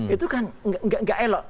itu kan tidak elok